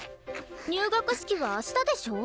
入学式は明日でしょ？